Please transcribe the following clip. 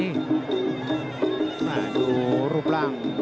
ดูรูปร่าง